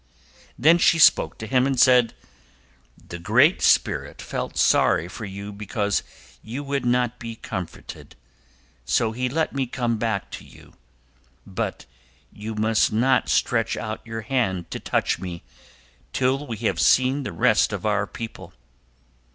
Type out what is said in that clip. Then she spoke to him and said: "The Great Spirit felt sorry for you because you would not be comforted, so he let me come back to you, but you must not stretch out your hand to touch me till we have seen the rest of our people.